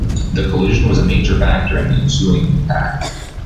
The collision was a major factor in the ensuing impact